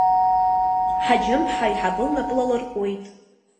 Ҳаџьым-ԥҳа Аиҳабы лнапы лалырҟәуеит.